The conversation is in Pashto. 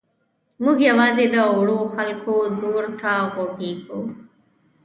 موږ یوازې د وړو خلکو ځور ته غږېږو.